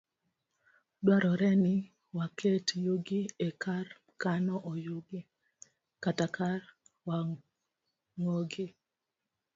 Dwarore ni waket yugi e kar kano yugi, kata kar wang'ogi.